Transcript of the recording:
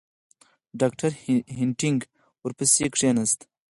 ډاکټر هینټیګ ورپسې کښېنست.